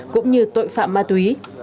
cũng như tội phạm ma túy